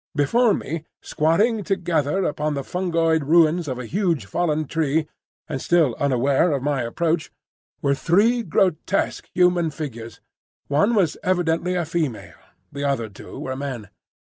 Before me, squatting together upon the fungoid ruins of a huge fallen tree and still unaware of my approach, were three grotesque human figures. One was evidently a female; the other two were men.